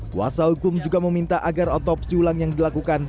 kuasa hukum juga meminta agar otopsi ulang yang dilakukan